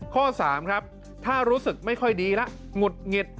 ข้อ๓ครับถ้ารู้สึกไม่ค่อยดีแล้วหงุดหงิด